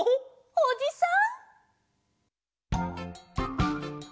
おじさん？